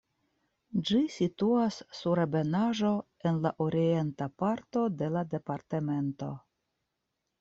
Ĝi situas sur ebenaĵo en la orienta parto de la departemento.